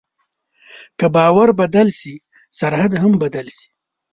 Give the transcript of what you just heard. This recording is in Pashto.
که باور بدل شي، سرحد هم بدل شي.